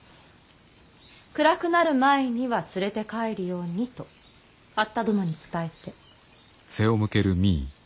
暗くなる前には連れて帰るようにと八田殿に伝えて。